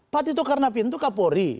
pak tito karnavian itu kapolri